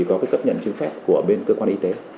cấp nhận chứng phép của bên cơ quan y tế